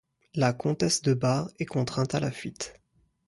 La comtesse de Bar est contrainte à la fuite.